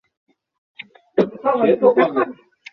ডানহাতে ব্যাটিংয়ের পাশাপাশি ডানহাতে মিডিয়াম বোলিং করে থাকেন।